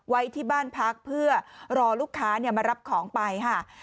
ไว้ที่บ้านพักเพื่อรอลูกค้ามารับของไปค่ะ